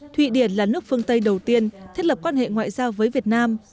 thụy điển là nước phương tây đầu tiên thiết lập quan hệ ngoại giao với việt nam